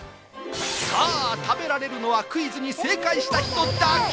食べられるのはクイズに正解した人だけ。